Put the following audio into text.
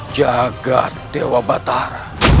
jaga dewa batar